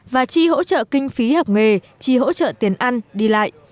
và chi hỗ trợ kinh phí học nghề chi hỗ trợ tiền ăn đi lại